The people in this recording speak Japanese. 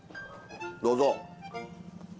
どうぞ。